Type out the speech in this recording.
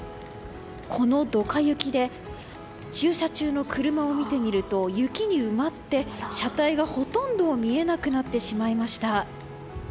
このドカ雪で駐車中の車を見てみると雪に埋まって車体がほとんど見えなくなってしまいました。